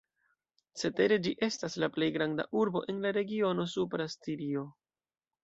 Cetere ĝi estas la plej granda urbo en la regiono Supra Stirio.